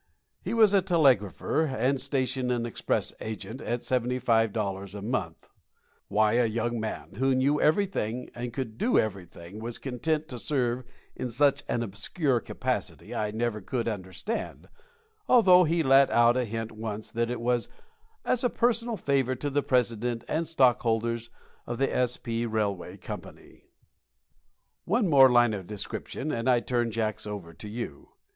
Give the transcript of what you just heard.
He was a telegrapher and station and express agent at seventy five dollars a month. Why a young man who knew everything and could do everything was content to serve in such an obscure capacity I never could understand, although he let out a hint once that it was as a personal favor to the president and stockholders of the S. P. Ry. Co. One more line of description, and I turn Jacks over to you.